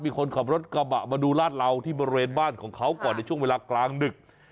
มีคนขับรถกระบะมาดูลาดเหลาที่บริเวณบ้านของเขาก่อนในช่วงเวลากลางดึก